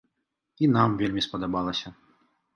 І нам вельмі спадабалася.